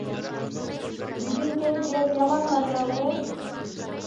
بۈگۈن كەيپىيات يامان ناچارغۇ.